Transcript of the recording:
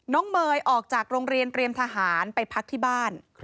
เมย์ออกจากโรงเรียนเตรียมทหารไปพักที่บ้าน